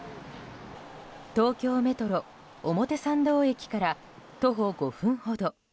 東京メトロ表参道駅から徒歩５分ほど。